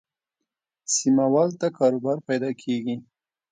سیمه والو ته کاروبار پیدا کېږي.